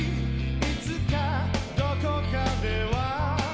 「いつかどこかでは」